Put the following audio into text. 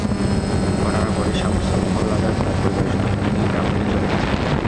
ঘটনার পরই শামছুল হাওলাদার তাঁর পরিবারের সদস্যদের নিয়ে গ্রাম থেকে চলে গেছেন।